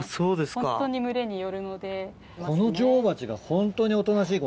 ホントに群れによるので。